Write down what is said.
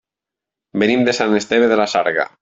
Venim de Sant Esteve de la Sarga.